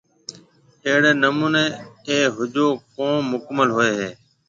اھڙي نموني اي ۿجو ڪوم مڪمل ھوئي ھيَََ